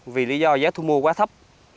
vì lý do giá thu mua quá thấp